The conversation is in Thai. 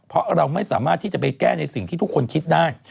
เพราะเราไม่สามารถที่จะไปแก้ในสิ่งที่ทุกคนคิดได้